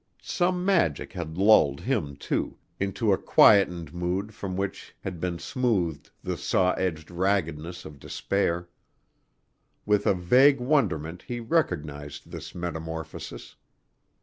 Some magic had lulled him, too, into a quietened mood from which had been smoothed the saw edged raggedness of despair. With a vague wonderment he recognized this metamorphosis.